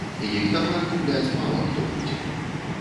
Іх тавар купляць мала хто будзе.